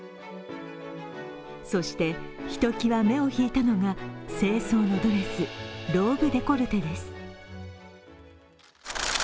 そして、ひときわ目を引いたのが正装のドレス、ローブデコルテです。